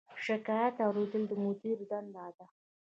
شکایت اوریدل د مدیر دنده ده